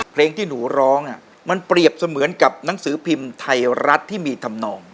เพลงที่หนูร้องมันเปรียบเสมือนกับหนังสือพิมพ์ไทยรัฐที่มีธรรมนอง